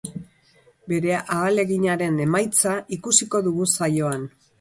Bere ahaleginaren emaitza ikusiko dugu saioan.